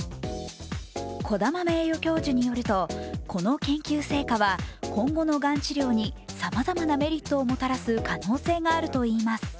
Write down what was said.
児玉名誉教授によると、この研究成果は今後のがん治療にさまざまなメリットをもたらす可能性があるといいます